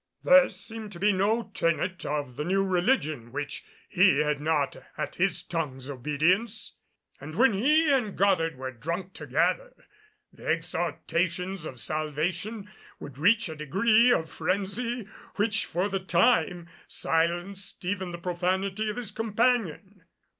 There seemed to be no tenet of the New Religion which he had not at his tongue's obedience; and when he and Goddard were drunk together, the exhortations of Salvation would reach a degree of frenzy which for the time silenced even the profanity of his companion.